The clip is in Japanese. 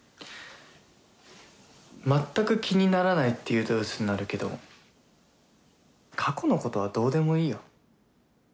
まったく気にならないって言うとウソになるけど過去のことはどうでもいいよ。